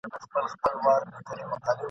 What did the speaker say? تاسي ځئ ما مي قسمت ته ځان سپارلی !.